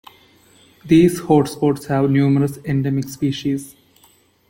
These hotspots have numerous endemic species.